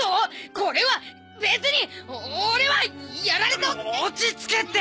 これはッ別にッ俺はッやられた落ちつけって！